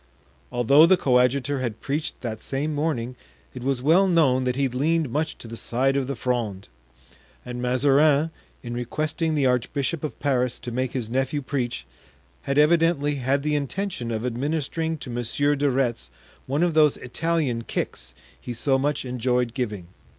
Although the coadjutor had preached that same morning it was well known that he leaned much to the side of the Fronde; and Mazarin, in requesting the archbishop of Paris to make his nephew preach, had evidently had the intention of administering to Monsieur de Retz one of those Italian kicks he so much enjoyed giving.